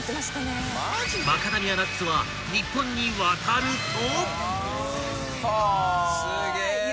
［マカダミアナッツは日本に渡ると］